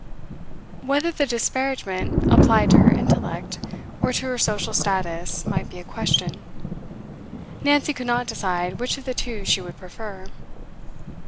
Whether the disparagement applied to her intellect or to her social status might be a question; Nancy could not decide which of the two she would prefer.